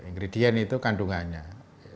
ingredient itu kan jadi makanan makanan itu makanan